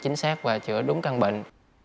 chính xác và chữa đúng căn bệnh